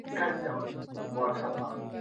بيکاري لويه ستونزه ده.